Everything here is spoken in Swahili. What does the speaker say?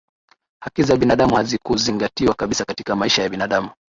haki za binadamu hazikuzingatiwa kabisa katika maisha ya binadamu